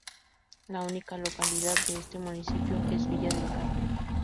La única localidad de este municipio es Villa del Carmen.